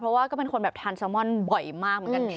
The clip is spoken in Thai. เพราะว่าก็เป็นคนแบบทานแซลมอนบ่อยมากเหมือนกัน